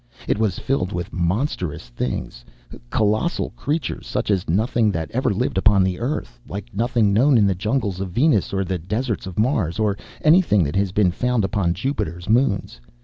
It was filled with monstrous things, colossal creatures, such as nothing that ever lived upon the Earth; like nothing known in the jungles of Venus or the deserts of Mars, or anything that has been found upon Jupiter's moons.